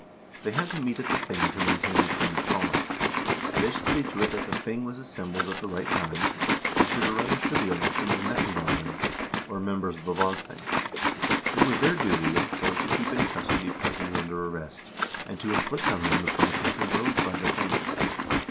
They had to meet at the thing to main tain the king's cause; they should see to it that the thing was as sembled at the right time, and should arrange for the election of nefndarmenn, or members of the lagthing; it was their duty, also, to keep in custody persons under arrest, and to inflict on them the punishments imposed by the thing.